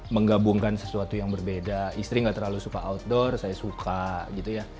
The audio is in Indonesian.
menggabungkan sesuatu yang berbeda istri gak terlalu suka outdoor saya suka gitu ya